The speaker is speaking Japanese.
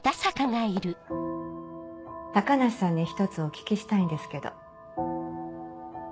高梨さんに一つお聞きしたいんですけど。